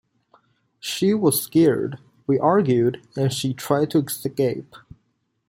She was scared, we argued and she tried to escape.